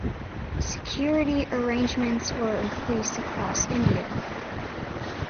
Security arrangements were increased across India.